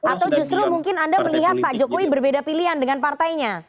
atau justru mungkin anda melihat pak jokowi berbeda pilihan dengan partainya